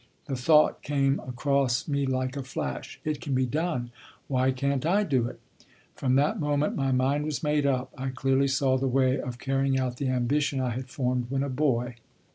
The thought came across me like a flash It can be done, why can't I do it? From that moment my mind was made up. I clearly saw the way of carrying out the ambition I had formed when a boy.